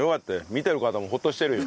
見てる方もホッとしてるよ。